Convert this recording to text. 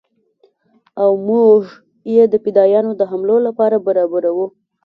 او موږ يې د فدايانو د حملو لپاره برابرو.